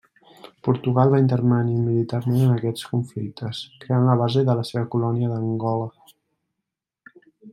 Portugal va intervenir militarment en aquests conflictes, creant la base de la seva colònia d’Angola.